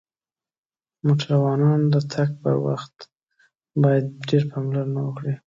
موټروانان د تک پر وخت باید ډیر پاملرنه وکړی